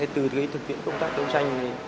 từ thực hiện công tác đấu tranh